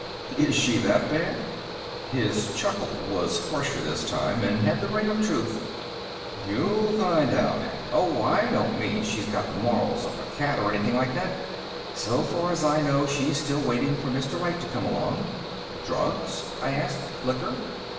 "Is she that bad?" His chuckle was harsher this time, and had the ring of truth. "You'll find out. Oh, I don't mean she's got the morals of a cat or anything like that. So far as I know, she's still waiting for Mister Right to come along." "Drugs?" I asked. "Liquor?"